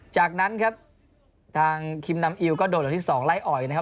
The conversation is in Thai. จากนั้นครับทางคิมนำอิวก็โดนหลังที่สองไล่อ่อยนะครับ